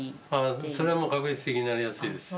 それはもう確率的になりやすいですよ。